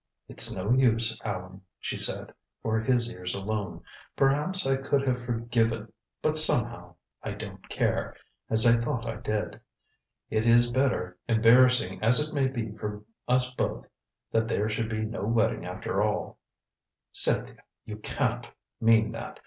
"It's no use, Allan," she said, for his ears alone. "Perhaps I could have forgiven but somehow I don't care as I thought I did. It is better, embarrassing as it may be for us both, that there should be no wedding, after all." "Cynthia you can't mean that.